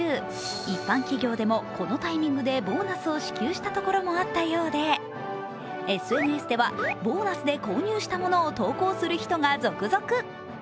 一般企業でもこのタイミングでボーナスを支給したところもあったようで、ＳＮＳではボーナスで購入したモノを投稿する人が続々。